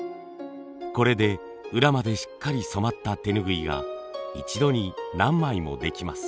これで裏までしっかり染まった手ぬぐいが一度に何枚もできます。